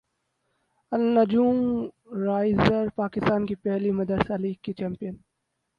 النجوم risers Pakistan کی پہلی مدرسہ لیگ کی چیمپیئن